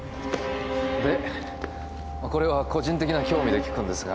でこれは個人的な興味で聞くんですが。